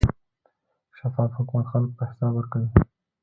شفاف حکومت خلکو ته حساب ورکوي.